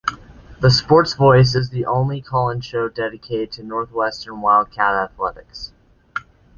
The SportsVoice is the only call-in show dedicated to Northwestern Wildcat Athletics.